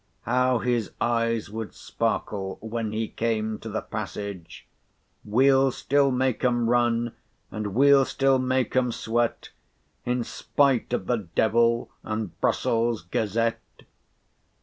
How his eyes would sparkle when he came to the passage: We'll still make 'em run, and we'll still make 'em sweat, In spite of the devil and Brussels' Gazette!